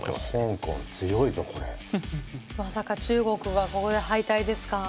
まさか中国がここで敗退ですか。